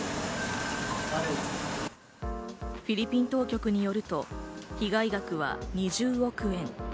フィリピン当局によると、被害額は２０億円。